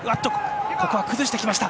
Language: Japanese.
ここは崩してきました。